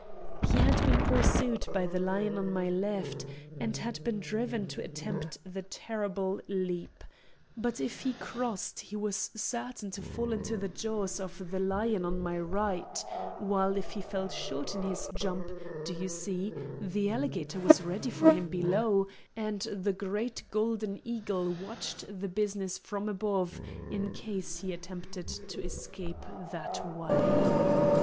He had been pursued by the lion on my left, and had been driven to attempt the terrible leap; but if he crossed he was certain to fall into the jaws of the lion on my right, while if he fell short in his jump, do you see, the alligator was ready for him below, and the great golden eagle watched the business from above, in case he attempted to escape that way.